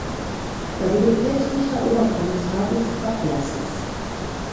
Er wurde päpstlicher Oberkommissar des Ablasses.